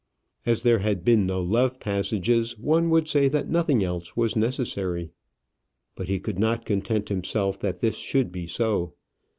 As there had been no love passages, one would say that nothing else was necessary. But he could not content himself that this should be so.